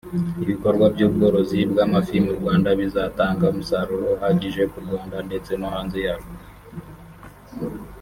Ibikorwa by’ubworozi bw’amafi mu Rwanda bizatanga umusaruro uhagije ku Rwanda ndetse no hanze yarwo